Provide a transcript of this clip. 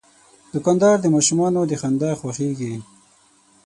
دوکاندار د ماشومانو د خندا خوښیږي.